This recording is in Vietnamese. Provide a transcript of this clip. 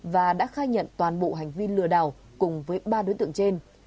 và đã khai nhận toàn bộ hành vi lừa đảo cùng với ba đối tượng trên